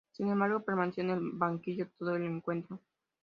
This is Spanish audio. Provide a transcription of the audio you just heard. Sin embargo, permaneció en el banquillo todo el encuentro.